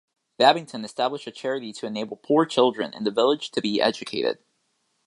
Babington established a charity to enable poor children in the village to be educated.